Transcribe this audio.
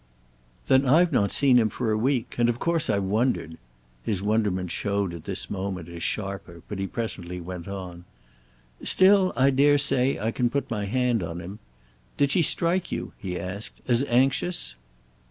"Then I've not seen him for a week—and of course I've wondered." His wonderment showed at this moment as sharper, but he presently went on. "Still, I dare say I can put my hand on him. Did she strike you," he asked, "as anxious?"